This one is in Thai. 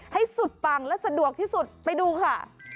ให้สุดปังและสะดวกที่สุดไปดูค่ะ